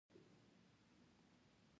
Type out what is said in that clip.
ښوونځی کې خندا وي